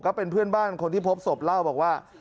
ก็เป็นเพื่อนบ้านคนที่พบศพเล่าบอกว่า